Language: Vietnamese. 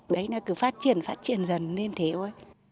đấy là cứ phát triển phát triển dần lên thế thôi